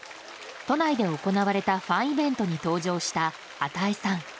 都内で行われたファンイベントに登場した與さん。